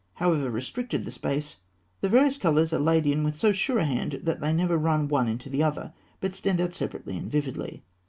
However restricted the space, the various colours are laid in with so sure a hand that they never run one into the other, but stand out separately and vividly.